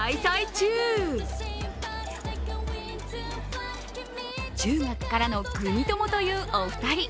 中学からのグミ友というお二人。